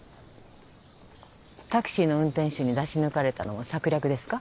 タクシーの運転手に出し抜かれたのも策略ですか？